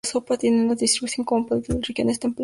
Tiene una distribución cosmopolita en las regiones templadas.